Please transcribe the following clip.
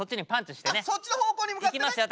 そっちの方向に向かってね。